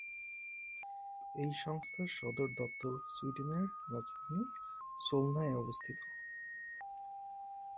এই সংস্থার সদর দপ্তর সুইডেনের রাজধানী সোলনায় অবস্থিত।